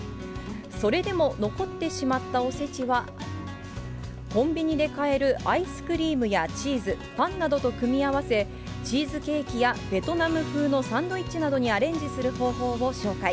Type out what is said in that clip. それでも残ってしまったおせちは、コンビニで買えるアイスクリームやチーズ、パンなどと組み合わせ、チーズケーキやベトナム風のサンドイッチなどにアレンジする方法を紹介。